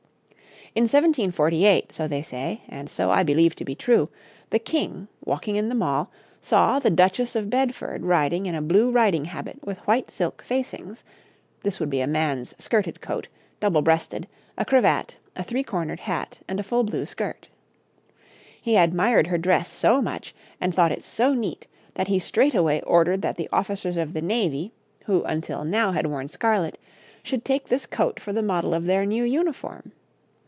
In 1748, so they say, and so I believe to be true, the King, walking in the Mall, saw the Duchess of Bedford riding in a blue riding habit with white silk facings this would be a man's skirted coat, double breasted, a cravat, a three corned hat, and a full blue skirt. He admired her dress so much and thought it so neat that he straightway ordered that the officers of the navy, who, until now, had worn scarlet, should take this coat for the model of their new uniform.